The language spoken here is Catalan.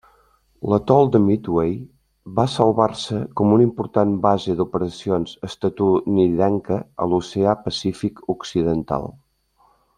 L'atol de Midway va salvar-se com una important base d'operacions estatunidenca a l'oceà Pacífic occidental.